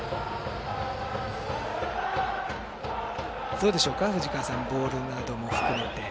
どうでしょうか、藤川さんボールなども含めて。